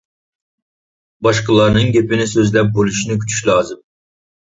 باشقىلارنىڭ گېپىنى سۆزلەپ بولۇشىنى كۈتۈش لازىم.